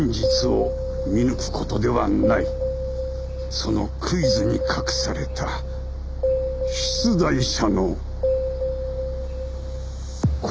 そのクイズに隠された出題者の心を読む事だ。